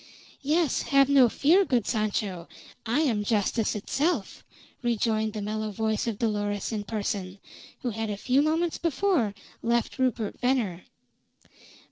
"Yes, have no fear, good Sancho. I am Justice itself!" rejoined the mellow voice of Dolores in person, who had a few moments before left Rupert Venner.